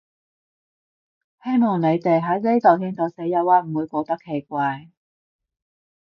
希望你哋喺呢度聽到四邑話唔會覺得奇怪